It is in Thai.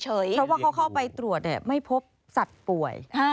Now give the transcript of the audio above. เพราะว่าเขาเข้าไปตรวจไม่พบสัตว์ป่วย